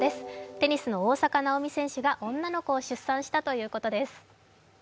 テニスの大坂なおみ選手が女の子を出産したということです。